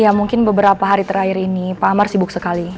ya mungkin beberapa hari terakhir ini pak amar sibuk sekali